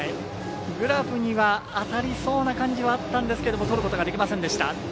グラブには当たりそうな感じはあったんですけどとることができませんでした。